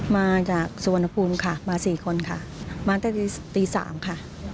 มาจากสวนภูมิค่ะมา๔คนค่ะมาแต่ตี๓ค่ะ